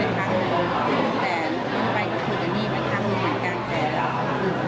แต่ไม่ได้ไปคุยกับลูกกันได้ครับเค้าคุยกับลูกเหมือนกัน